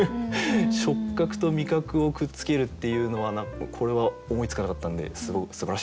触覚と味覚をくっつけるっていうのはこれは思いつかなかったんですごくすばらしいと思いました。